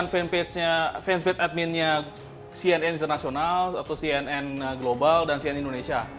ini saya tunjukin saya bukan fanpage adminnya cnn international atau cnn global dan cnn indonesia